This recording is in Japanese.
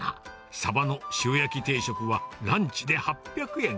鯖の塩焼き定食は、ランチで８００円。